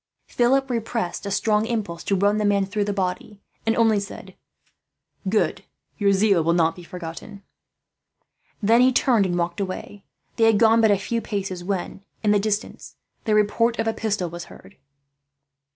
Philip repressed a strong impulse to run the man through the body, and only said: "Good. Your zeal will not be forgotten." Then he turned and walked away. They had gone but a few paces when, in the distance, the report of a pistol was heard.